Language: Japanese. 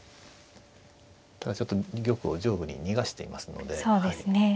ただちょっと玉を上部に逃がしていますので。